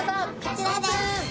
こちらです。